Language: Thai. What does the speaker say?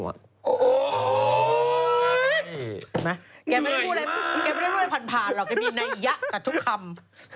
มาเค้าไม่ได้รู้อะไรผ่านเหรอเค้ามีไหนหยะกับทุกคำ